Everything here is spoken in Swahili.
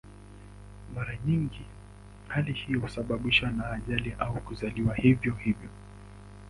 Mara nyingi hali hiyo husababishwa na ajali au kuzaliwa hivyo hivyo.